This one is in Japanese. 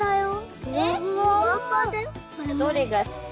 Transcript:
どれが好き？